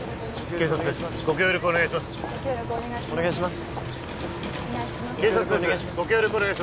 警察ですご協力お願いします